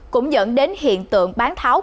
cũng dẫn đến hiện tượng của thị trường flc này